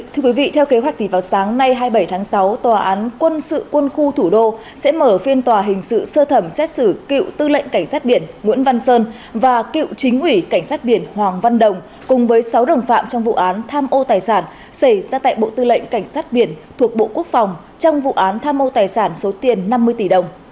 thưa quý vị theo kế hoạch thì vào sáng nay hai mươi bảy tháng sáu tòa án quân sự quân khu thủ đô sẽ mở phiên tòa hình sự sơ thẩm xét xử cựu tư lệnh cảnh sát biển nguyễn văn sơn và cựu chính ủy cảnh sát biển hoàng văn động cùng với sáu đồng phạm trong vụ án tham ô tài sản xảy ra tại bộ tư lệnh cảnh sát biển thuộc bộ quốc phòng trong vụ án tham ô tài sản số tiền năm mươi tỷ đồng